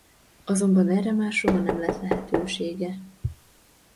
Azonban erre már soha nem lett lehetősége.